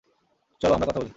চল আমরা কথা বলি।